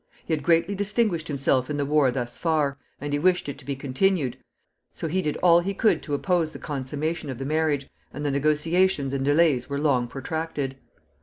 He had greatly distinguished himself in the war thus far, and he wished it to be continued; so he did all he could to oppose the consummation of the marriage, and the negotiations and delays were long protracted.